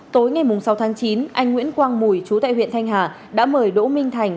tối ngày sáu tháng chín anh nguyễn quang mùi chú tại huyện thanh hà đã mời đỗ minh thành